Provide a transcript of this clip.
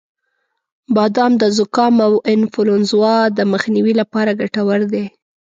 • بادام د زکام او انفلونزا د مخنیوي لپاره ګټور دی.